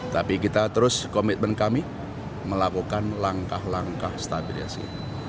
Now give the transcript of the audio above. tapi kita terus komitmen kami melakukan langkah langkah stabiliasi